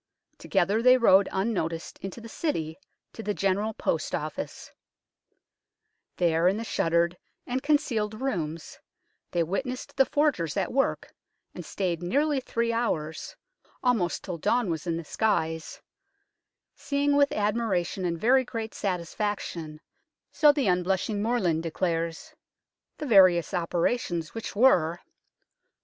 Together they rode unnoticed into the City, to the General Post Office. There, in the shuttered and con cealed rooms, they witnessed the forgers at work, and stayed nearly three hours almost till dawn was in the skies seeing with admira tion and very great satisfaction, so the unblushing Morland declares, the various operations, which were : 1.